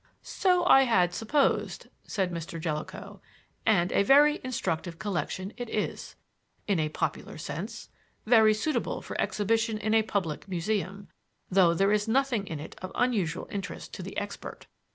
"So I had supposed," said Mr. Jellicoe. "And a very instructive collection it is, in a popular sense; very suitable for exhibition in a public museum, though there is nothing in it of unusual interest to the expert.